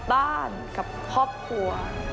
บ้านกับครอบครัว